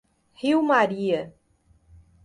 Rio Maria